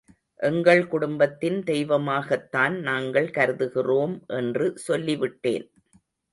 எங்கள் குடும்பத்தின் தெய்வமாகத்தான் நாங்கள் கருதுகிறோம் என்று சொல்லிவிட்டேன்.